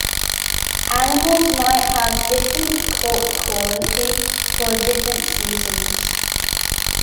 Animals might have different coat quality for different seasons.